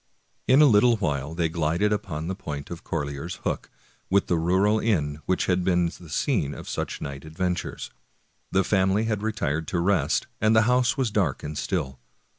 In a little while they glided by the point of Corlear's Hook, with the rural inn which had been the scene of such night adventures. The family had retired to rest, and the house was dark and still.